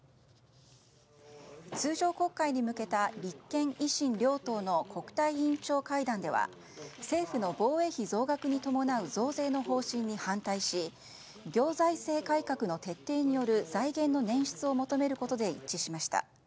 通常国会に向けた立憲・維新両党の国対委員長会談では政府の防衛費増額に伴う増税の方針に反対し行財政改革の徹底による財源の捻出を求めることで一致しました。